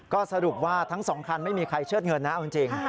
ก็สรุปว่าทั้ง๒คันไม่มีใครเชิดเงินนะเอาจริง